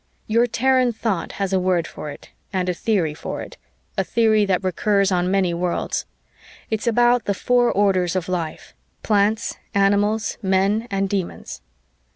"Your Terran thought has a word for it and a theory for it a theory that recurs on many worlds. It's about the four orders of life: Plants, Animals, Men and Demons.